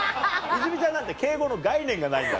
泉ちゃんなんて敬語の概念がないんだ